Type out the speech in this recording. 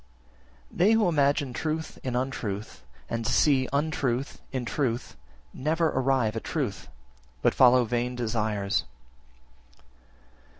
11. They who imagine truth in untruth, and see untruth in truth, never arrive at truth, but follow vain desires.